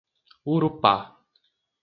Urupá